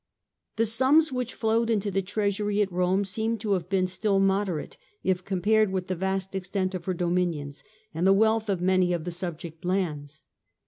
The sums which flowed into the treasury at Rome seem to have been still moderate, if compared with the 1°. iTie extent of her dominions, and the wealth of faStbl? many of the subject lands.